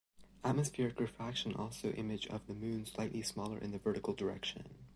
Atmospheric refraction also image of the Moon slightly smaller in the vertical direction.